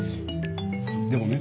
でもね